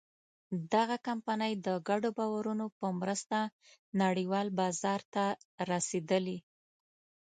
دغه کمپنۍ د ګډو باورونو په مرسته نړۍوال بازار ته رسېدلې.